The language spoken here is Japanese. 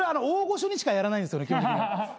大御所にしかやらないんすよね。